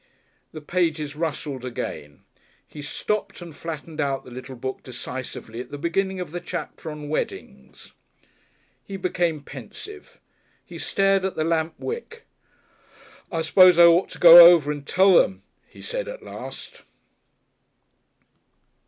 The pages rustled again. He stopped and flattened out the little book decisively at the beginning of the chapter on "Weddings." He became pensive. He stared at the lamp wick. "I suppose I ought to go over and tell them," he said, at last.